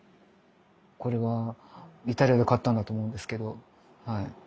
これはイタリアで買ったんだと思うんですけどはい。